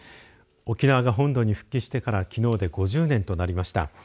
沖縄が本土に復帰してからきのうで５０年となりました。